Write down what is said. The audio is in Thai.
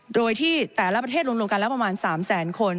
โดยที่แต่ละประเทศรวมกันแล้วประมาณ๓แสนคน